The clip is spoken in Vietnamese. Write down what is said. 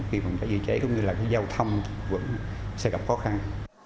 khi còn cái dự cháy cũng như là cái giao thông vẫn sẽ gặp khó khăn